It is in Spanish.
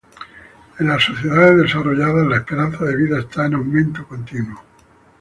En las sociedades desarrolladas la esperanza de vida está en aumento continuo.